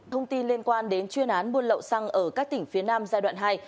thông tin liên quan đến chuyên án buôn lậu xăng ở các tỉnh phía nam giai đoạn hai